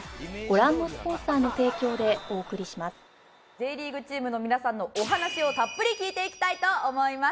Ｊリーグチームの皆さんのお話をたっぷり聞いていきたいと思います。